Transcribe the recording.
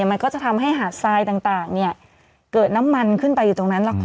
มันก็จะทำให้หาดทรายต่างเกิดน้ำมันขึ้นไปอยู่ตรงนั้น